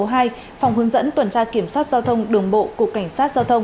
phòng hướng dẫn tuần tra kiểm soát giao thông đường bộ cục cảnh sát giao thông